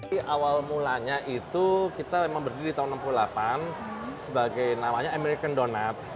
di awal mulanya itu kita memang berdiri di tahun seribu sembilan ratus delapan sebagai namanya american donat